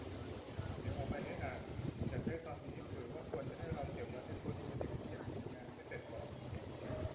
เดี๋ยวเอาไปให้อ่าน อยากได้ตอนนี้ หรือว่าควรจะให้เราเก็บไว้ให้พ้นมือเด็กที่ยังทำงานไม่เสร็จก่อน ?